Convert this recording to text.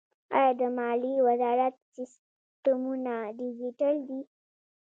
آیا د مالیې وزارت سیستمونه ډیجیټل دي؟